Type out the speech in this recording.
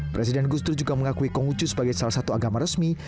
presiden gus dur juga mengakui kongucu sebagai salah satu agama resmi